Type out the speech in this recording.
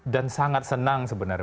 dan sangat senang sebenarnya